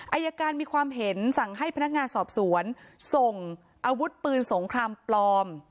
อายการมีความเห็นสั่งให้พนักงานสอบสวนส่งอาวุธปืนสงครามปลอม